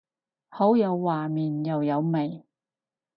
好有畫面又有味